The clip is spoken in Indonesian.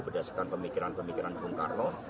berdasarkan pemikiran pemikiran bung karno